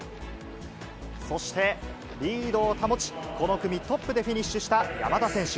そして、リードを保ち、この組トップでフィニッシュした山田選手。